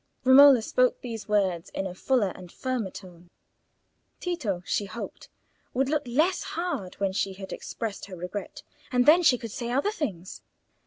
Romola spoke these words in a fuller and firmer tone; Tito, she hoped, would look less hard when she had expressed her regret, and then she could say other things.